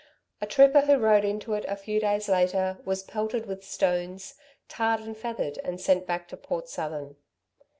A trooper who rode into it a few days later was pelted with stones, tarred and feathered, and sent back to Port Southern.